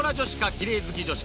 きれい好き女子か？